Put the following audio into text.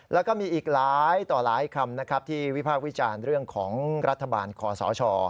แล้วก็มีอีกหลายต่อหลายคำนะครับที่วิพากษ์วิจารณ์เรื่องของรัฐบาลคอสช